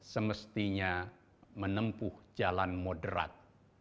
semestinya menempuh jalan moderat